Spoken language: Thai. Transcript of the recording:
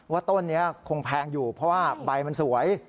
ต้นนี้คงแพงอยู่เพราะว่าใบมันสวย